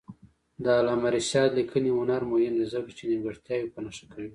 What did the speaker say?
د علامه رشاد لیکنی هنر مهم دی ځکه چې نیمګړتیاوې په نښه کوي.